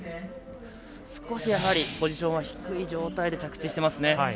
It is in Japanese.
少し、ポジションは低い状態で着地してますね。